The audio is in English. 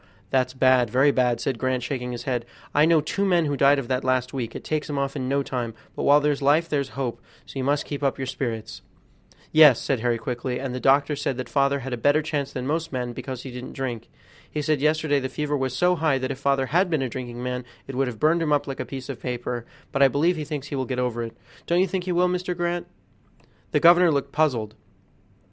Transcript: "That's bad, very bad," said Grant, shaking his head; "I know two men who died of that last week; it takes 'em off in no time; but while there's life there's hope, so you must keep up your spirits." "Yes," said Harry quickly, "and the doctor said that father had a better chance than most men, because he didn't drink. He said yesterday the fever was so high that if father had been a drinking man it would have burned him up like a piece of paper; but I believe he thinks he will get over it; don't you think he will, Mr. Grant?" The governor looked puzzled.